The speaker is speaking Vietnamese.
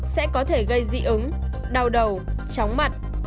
sẽ có thể gây dị ứng đau đầu chóng mặt